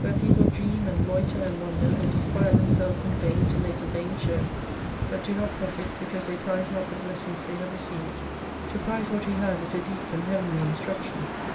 Where people dream, and loiter, and wander, and disquiet themselves in vain, to make a vain show ; but do not profit because they prize not the blessings they have received. To prize what we have is a deep and heavenly instruction.